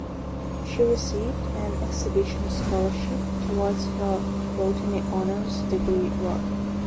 She received an Exhibition Scholarship towards her botany honours degree work.